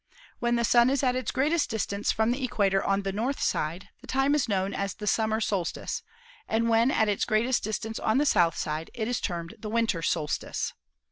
When the Sun is at its greatest distance from the equator on the north side the time is known as the summer solstice, and when at its greatest distance on the south side it is termed the winter solstice.